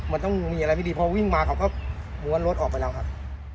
มันต้องมีอะไรไม่ดีพอวิ่งมาเขาก็ม้วนรถออกไปแล้วครับ